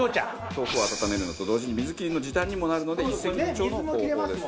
豆腐を温めるのと同時に水切りの時短にもなるので一石二鳥の方法です。